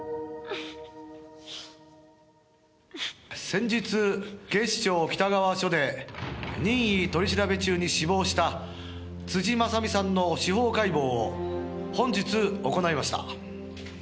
「先日警視庁北川署で任意取り調べ中に死亡した辻正巳さんの司法解剖を本日行いました」